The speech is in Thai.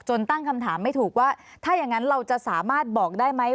ตั้งคำถามไม่ถูกว่าถ้าอย่างนั้นเราจะสามารถบอกได้ไหม